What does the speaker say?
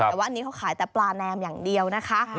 แต่ว่าอันนี้เขาขายแต่ปลาแนมอย่างเดียวนะคะ